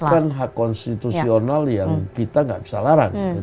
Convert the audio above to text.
kalau itu kan hak konstitusional yang kita enggak bisa larang gitu loh